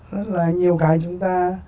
rất là nhiều cái chúng ta